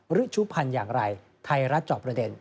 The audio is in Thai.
ฤชุพันธ์อย่างไรไทยรัฐจอบประเด็น